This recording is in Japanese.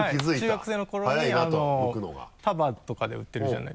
中学生の頃に束とかで売ってるじゃないですか。